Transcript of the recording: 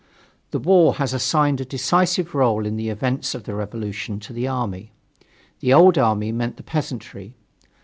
The war has assigned a decisive role in the events of the revolution to the army. The old army meant the peasantry.